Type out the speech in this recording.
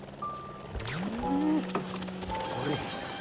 ふんどれ。